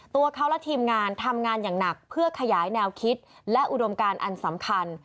ตัวเขาและทีมงานทำงานอย่างหนักเพื่อขยายแนวคิดและอุดมการอันสำคัญ